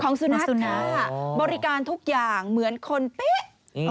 ของสุนัขค่ะบริการทุกอย่างเหมือนคนเป๊ะ